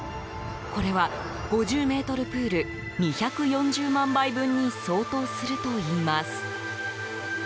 これは５０ｍプール、２４０万杯分に相当するといいます。